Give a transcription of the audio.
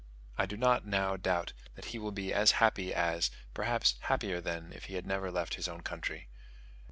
I do not now doubt that he will be as happy as, perhaps happier than, if he had never left his own country.